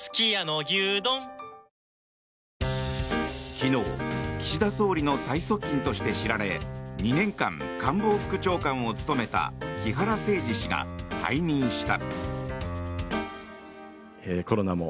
昨日岸田総理の最側近として知られ２年間、官房副長官を務めた木原誠二氏が退任した。